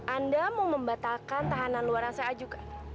anda mau membatalkan tahanan luar asa juga